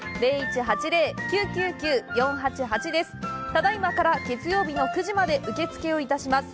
ただいまから月曜日の９時まで受け付けをいたします。